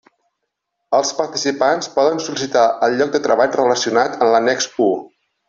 Els participants poden sol·licitar el lloc de treball relacionat en l'annex u.